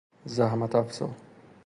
زحمت افزا